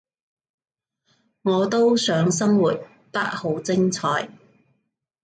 我都想生活得好精彩